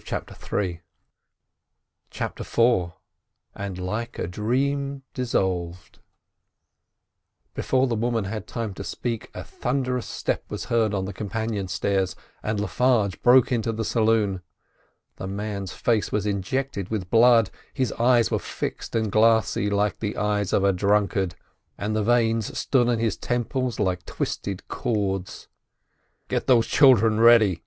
CHAPTER IV AND LIKE A DREAM DISSOLVED Before the woman had time to speak a thunderous step was heard on the companion stairs, and Le Farge broke into the saloon. The man's face was injected with blood, his eyes were fixed and glassy like the eyes of a drunkard, and the veins stood on his temples like twisted cords. "Get those children ready!"